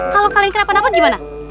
kalau kalian kena pandangan gimana